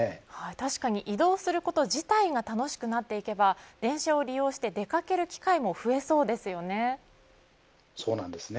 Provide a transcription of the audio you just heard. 確かに移動すること自体が楽しくなっていけば電車を利用して出掛ける機会もそうなんですね。